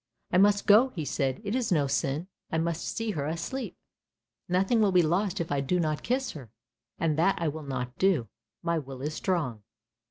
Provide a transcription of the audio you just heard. " I must go," he said, "it is no sin, I must see her asleep, nothing will be lost if I do not kiss her, and that I will not do. My will is strong."